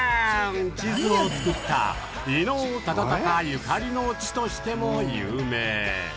地図を作った伊能忠敬ゆかりの地としても有名。